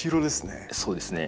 そうですね。